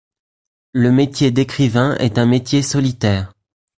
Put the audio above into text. Le métier d'écrivain est un métier solitaire.